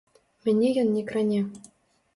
Мяне ён не кране.